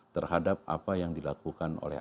terhadap apa yang dilakukan oleh